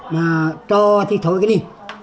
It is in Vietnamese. mà cho thì thôi cái này